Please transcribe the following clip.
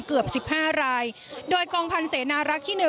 เกือบ๑๕รายโดยกองพันธ์เสนารักษ์ที่๑